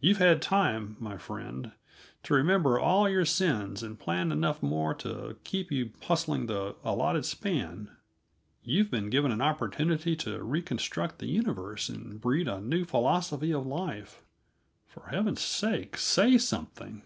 You've had time, my friend, to remember all your sins and plan enough more to keep you hustling the allotted span; you've been given an opportunity to reconstruct the universe and breed a new philosophy of life. For Heaven's sake, say something!"